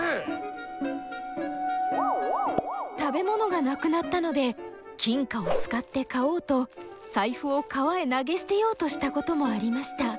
食べ物がなくなったので金貨を使って買おうと財布を川へ投げ捨てようとしたこともありました。